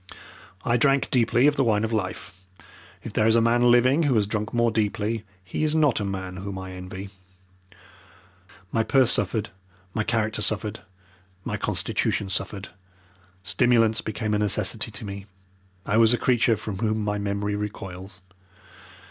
I drank deeply of the wine of life if there is a man living who has drunk more deeply he is not a man whom I envy. My purse suffered, my character suffered, my constitution suffered, stimulants became a necessity to me, I was a creature from whom my memory recoils.